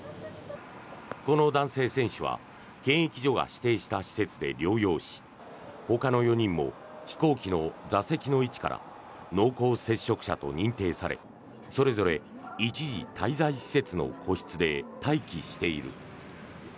この男性選手は検疫所が指定した施設で療養しほかの４人も飛行機の座席の位置から濃厚接触者と認定されそれぞれ一時滞在施設の個室で待機している。